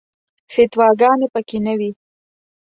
فتواګانې په کې نه وي.